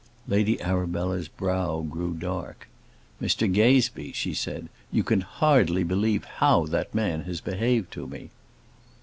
Lady Arabella's brow grew dark. "Mr Gazebee," she said, "you can hardly believe how that man has behaved to me."